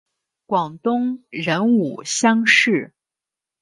广东壬午乡试。